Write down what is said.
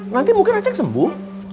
nanti mungkin acek sembuh